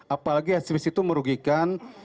apalagi hate speech itu merugikan